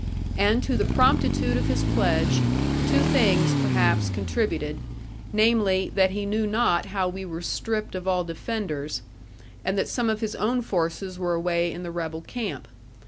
And to the promptitude of his pledge, two things perhaps contributed, namely, that he knew not how we were stripped of all defenders, and that some of his own forces were away in the rebel camp.